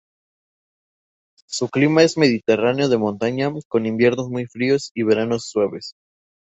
Su clima es mediterráneo de montaña, con inviernos muy fríos y veranos suaves.